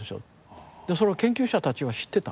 でそれを研究者たちは知ってた。